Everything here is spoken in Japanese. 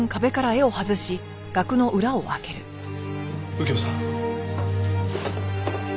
右京さん。